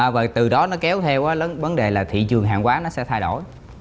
và từ đó nó kéo theo vấn đề là thị trường hàng quá nó sẽ thay đổi